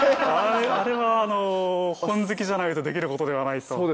あれは本好きじゃないとできることではないと。